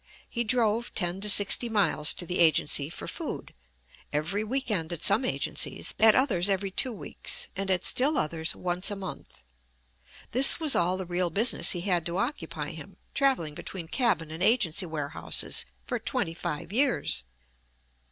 He drove ten to sixty miles to the agency for food; every week end at some agencies, at others every two weeks, and at still others once a month. This was all the real business he had to occupy him travelling between cabin and agency warehouses for twenty five years!